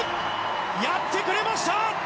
やってくれました！